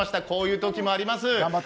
こういうときもあります。